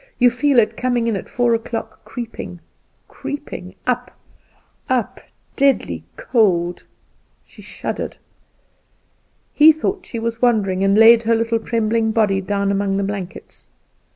You feel it coming in at four o'clock, creeping, creeping, up, up; deadly cold!" She shuddered. He thought she was wandering, and laid her little trembling body down among the blankets.